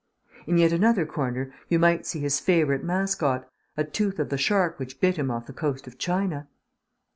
In yet another corner you might see his favourite mascot a tooth of the shark which bit him off the coast of China.